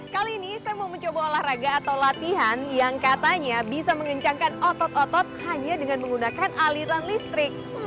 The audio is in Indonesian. kali ini saya mau mencoba olahraga atau latihan yang katanya bisa mengencangkan otot otot hanya dengan menggunakan aliran listrik